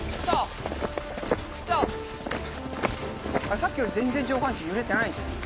さっきより全然上半身揺れてない。